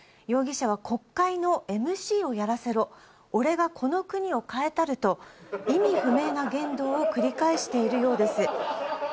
容疑者は国会のＭＣをやらせろ俺がこの国を変えたると意味不明な言動を繰り返しているようです